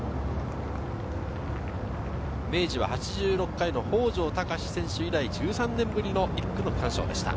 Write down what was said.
明治は８６回の北條尚選手以来、１３年ぶりの１区の区間賞でした。